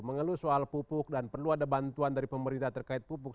mengeluh soal pupuk dan perlu ada bantuan dari pemerintah terkait pupuk